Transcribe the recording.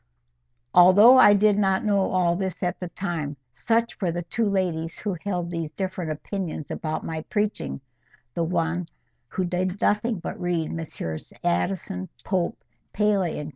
Although I did not know all this at the time, such were the two ladies who held these different opinions about my preaching; the one who did nothing but read Messrs Addison, Pope, Paley, and Co.